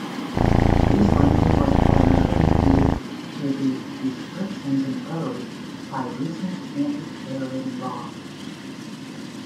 This ranking was primarily due to the restrictions imposed by the recent anti-terrorism laws.